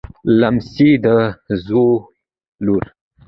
لمسۍ د زوی لور.